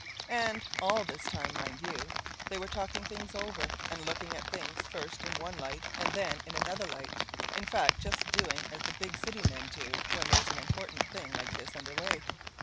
And all this time, mind you, they were talking things over, and looking at things first in one light and then in another light, in fact, just doing as the big city men do when there's an important thing like this under way.